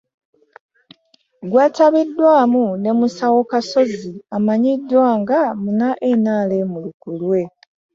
Gwetabiddwamu ne musawo Kasozi amanyiddwa nga munna NRM lukulwe